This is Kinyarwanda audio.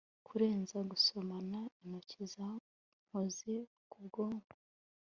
Kurenza gusomana intoki zankoze kubwabo